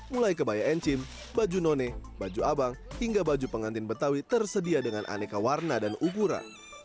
mulai kebaya encim baju none baju abang hingga baju pengantin betawi tersedia dengan aneka warna dan ukuran